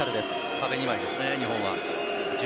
壁２枚ですね、日本は。